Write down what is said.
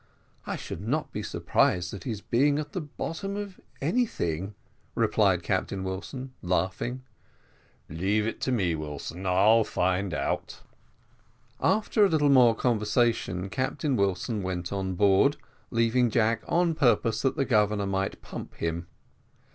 "I should not be surprised at his being at the bottom of anything," replied Captain Wilson, laughing. "Leave it to me, Wilson, I'll find it out." After a little more conversation, Captain Wilson went on board, leaving Jack on purpose that the Governor might pump him.